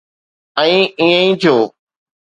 ۽ ائين ئي ٿيو.